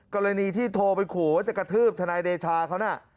กรณีที่โทรไปขู่ว่าจะกระทืบทนายเดชาเขาน่ะ